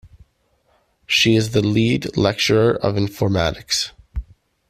She is the lead lecturer of informatics.